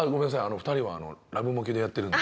２人はラブモキュでやってるので。